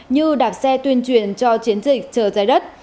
như đạp xe tuyên truyền cho chiến dịch giờ trái đất